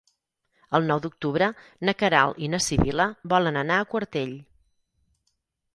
El nou d'octubre na Queralt i na Sibil·la volen anar a Quartell.